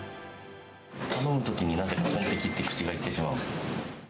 頼むときに、なぜかトンテキって、口が言ってしまうんです。